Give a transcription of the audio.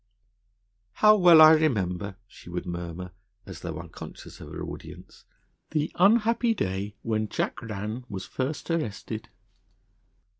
'How well I remember,' she would murmur, as though unconscious of her audience, 'the unhappy day when Jack Rann was first arrested.